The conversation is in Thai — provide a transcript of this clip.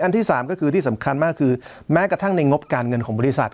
ที่สามก็คือที่สำคัญมากคือแม้กระทั่งในงบการเงินของบริษัท